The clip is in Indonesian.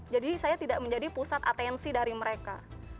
jadi saya tidak menjadi pusat atensi dari mereka